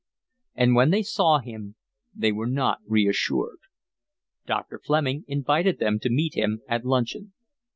And when they saw him they were not reassured. Dr. Fleming invited them to meet him at luncheon.